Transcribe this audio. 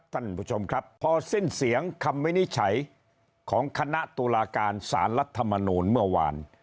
ท่านผู้ชมครับพอสิ้นเสียงคำวินิจฉัยของคณะตุลาการสารรัฐมนูลเมื่อวาน